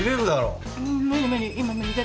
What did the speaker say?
うん。